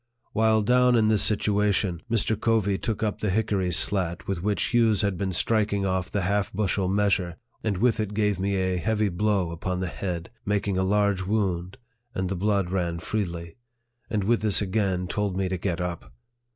While down in this situation, Mr. Covey took up the hickory slat with which Hughes had been striking off the half bushel measure, and with it gave me a heavy blow upon the head, making a large wound, and the blood ran freely ; and with this again told me to get up.